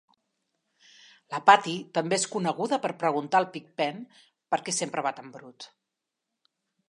La Patty també és coneguda per preguntar al Pig-Pen per què sempre va tan brut.